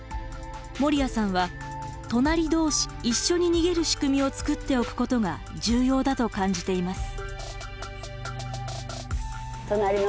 守屋さんは隣同士一緒に逃げる仕組みを作っておくことが重要だと感じています。